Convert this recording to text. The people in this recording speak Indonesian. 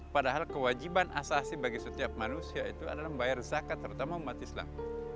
padahal kewajiban asasi bagi setiap manusia itu adalah membayar zakat terutama umat islam